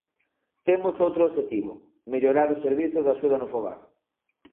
Temos outro obxectivo: mellorar o servizo de axuda no fogar.